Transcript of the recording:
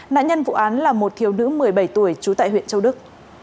nạn nhân vụ án là một thiếu nữ một mươi bảy tuổi trú tại huyện châu đức